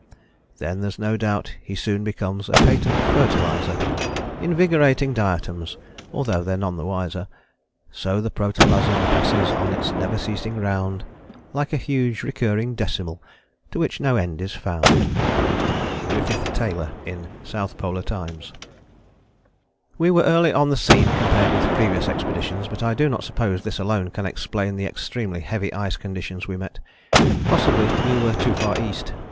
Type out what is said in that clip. Then there's no doubt he soon becomes a Patent Fertilizer, Invigorating diatoms, although they're none the wiser, So the protoplasm passes on its never ceasing round, Like a huge recurring decimal ... to which no End is found. We were early on the scene compared with previous expeditions, but I do not suppose this alone can explain the extremely heavy ice conditions we met. Possibly we were too far east.